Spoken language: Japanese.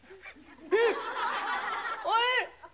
おい。